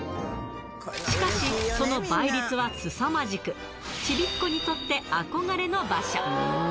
しかし、その倍率はすさまじく、ちびっ子にとって憧れの場所。